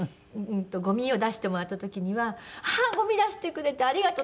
ごみを出してもらった時には「あっごみ出してくれてありがとう！」